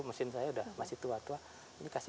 mesin saya udah masih tua tua ini kasih